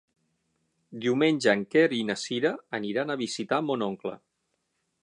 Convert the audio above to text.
Diumenge en Quer i na Cira aniran a visitar mon oncle.